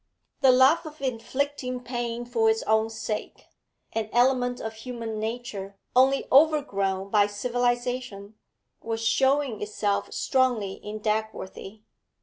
The love of inflicting pain for its own sake, an element of human nature only overgrown by civilisation, was showing itself strongly in Dagworthy.